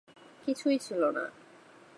কিছুই ছিল না।